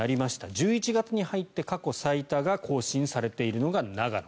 １１月に入って過去最多が更新されているのが長野。